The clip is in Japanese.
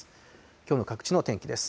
きょうの各地の天気です。